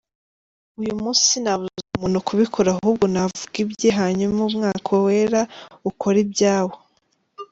Uyu munsi sinabuza umuntu kubikora ahubwo navuge ibye hanyuma umwuka wera ukore ibyawo.